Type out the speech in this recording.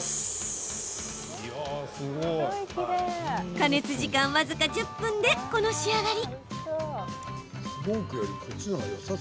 加熱時間、僅か１０分でこの仕上がり。